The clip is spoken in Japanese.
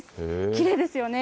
きれいですよね。